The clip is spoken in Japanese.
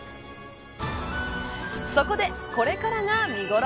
そこで、これからが見頃。